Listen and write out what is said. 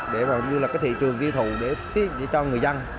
để vào như là cái thị trường kỹ thu để cho người dân